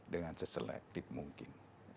dengan seselitif mungkin